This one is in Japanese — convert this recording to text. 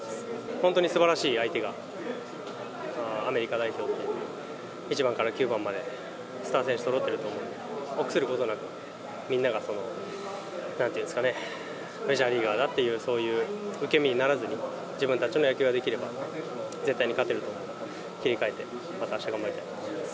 本当にすばらしい相手がアメリカ代表という、１番から９番まで、スター選手そろってると思うんで、臆することなく、みんなが、なんていうんですかね、メジャーリーガーだっていう、そういう受け身にならずに、自分たちの野球ができれば絶対に勝てると思うんで、切り替えて、またあした頑張りたいと思います。